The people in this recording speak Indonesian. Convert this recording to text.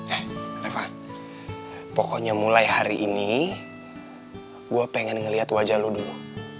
eh reva pokoknya mulai hari ini gue pengen ngeliat wajah lo dulu